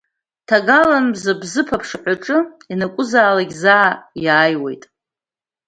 Ҭагалан мза Бзыԥ аԥшаҳәаҿы ианакәызаалак заа иааиуеит.